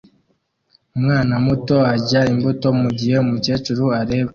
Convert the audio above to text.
umwana muto arya imbuto mugihe umukecuru areba